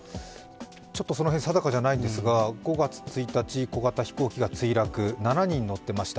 ちょっとその辺、定かじゃないんですが、５月１日、小型飛行機が墜落、７人が乗っていました。